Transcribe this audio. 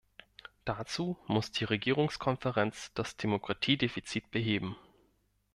Dazu muss die Regierungskonferenz das Demokratiedefizit beheben.